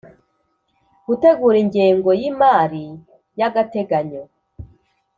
Gutegura ingengo y imari y agateganyo